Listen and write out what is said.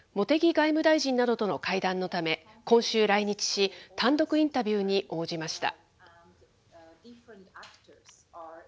外務大臣などとの会談のため、今週来日し、単独インタビューに応じました。